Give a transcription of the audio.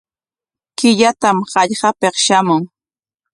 Killatam hallqapik shamun.